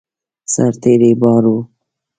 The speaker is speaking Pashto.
سرتېري بار وو.